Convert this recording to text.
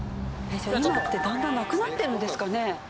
じゃあ今ってだんだんなくなってるんですかね？